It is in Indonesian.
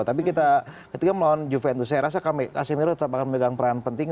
tapi ketika kita melawan juventus saya rasa casemiro tetap akan memegang peran penting